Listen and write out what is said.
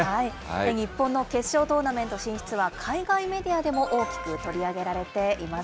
日本の決勝トーナメント進出は海外メディアでも大きく取り上げられています。